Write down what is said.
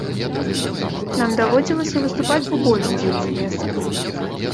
Нам даводзілася выступаць у больш дзіўных месцах.